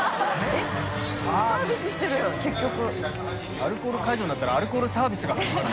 アルコール解除になったらアルコールサービスが始まる。